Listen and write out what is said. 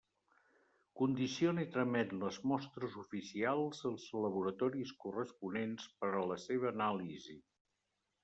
Condiciona i tramet les mostres oficials als laboratoris corresponents per a la seva anàlisi.